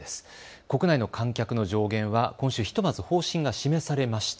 国内の観客の上限は今週ひとまず方針が示されました。